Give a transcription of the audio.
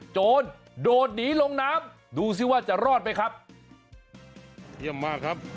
โจรโดดหนีลงน้ำดูสิว่าจะรอดไหมครับเยี่ยมมากครับ